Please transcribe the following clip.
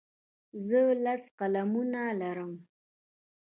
زه لس قلمونه لرم.